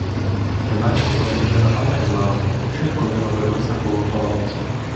Принаймні вони вже напам'ять знали, що й коли робилося коло палацу.